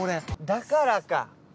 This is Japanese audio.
だからか。